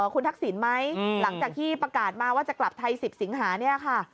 คุณทักษิณไหมหลังจากที่ประกาศมาว่าจะกลับไทย๑๐สิงหาเนี่ยค่ะ